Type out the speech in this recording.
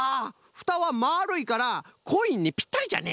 フタはまるいからコインにぴったりじゃね！